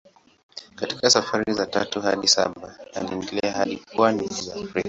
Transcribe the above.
Katika safari za tatu hadi saba aliendelea hadi pwani za Afrika.